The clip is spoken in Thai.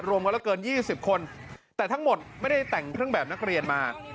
รวมกันแล้วเกิน๒๐คนแต่ทั้งหมดไม่ได้แต่งเครื่องแบบนักเรียนมา